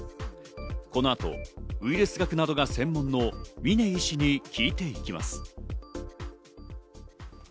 この後、ウイルス学などが専門の峰医師に聞いていきます。